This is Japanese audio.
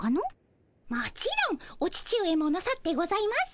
もちろんお父上もなさってございます。